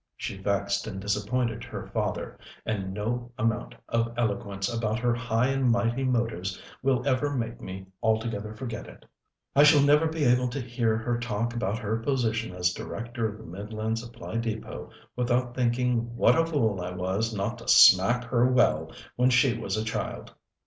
She vexed and disappointed her father, and no amount of eloquence about her high and mighty motives will ever make me altogether forget it. I shall never be able to hear her talk about her position as Director of the Midland Supply Depôt without thinking what a fool I was not to smack her well when she was a child."